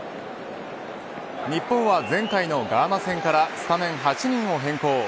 日本は前回のガーナ戦からスタメン８人を変更。